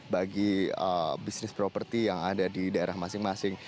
bagi bisnis properti yang ada di daerah masing masing